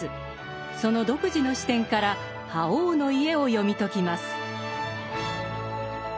その独自の視点から「覇王の家」を読み解きます。